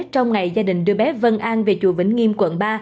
trong ngày gia đình đưa bé vân an về chùa vĩnh nghiêm quận ba